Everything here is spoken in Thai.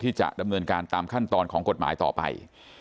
ที่จะดำเนินการตามขั้นตอนของกฎหมายต่อไป